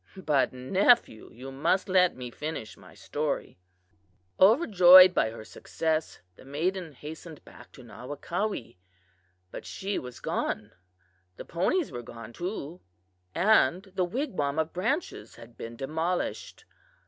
But, nephew, you must let me finish my story. "Overjoyed by her success, the maiden hastened back to Nawakawee, but she was gone! The ponies were gone, too, and the wigwam of branches had been demolished.